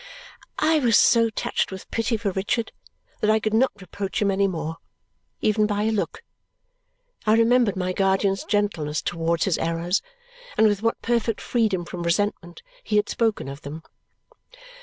I was so touched with pity for Richard that I could not reproach him any more, even by a look. I remembered my guardian's gentleness towards his errors and with what perfect freedom from resentment he had spoken of them.